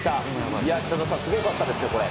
いやー、北澤さん、すごかったですね、これ。